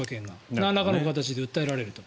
なんらかの形で訴えられると。